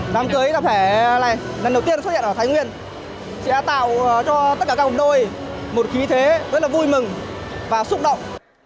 đám cưới tập thể này lần đầu tiên xuất hiện ở thái nguyên sẽ tạo cho tất cả các cặp đôi một khí thế rất là vui mừng và xúc động